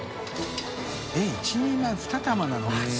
┐１人前２玉なの？